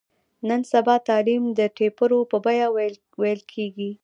نن سبا تعلیم د ټېپرو په بیه ویل کېږي.